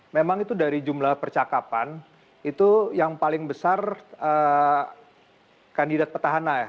memang itu dari jumlah percakapan itu yang paling besar kandidat petahana ya